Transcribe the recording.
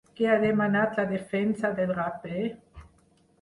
Què ha demanat la defensa del raper?